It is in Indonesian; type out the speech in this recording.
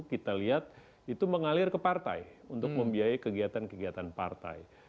kita lihat itu mengalir ke partai untuk membiayai kegiatan kegiatan partai